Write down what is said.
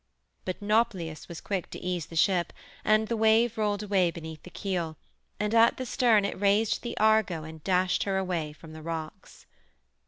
But Nauplius was quick to ease the ship, and the wave rolled away beneath the keel, and at the stern it raised the Argo and dashed her away from the rocks.